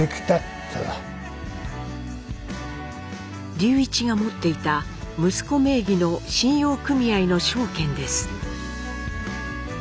隆一が持っていた息子名義の信用組合の証券です。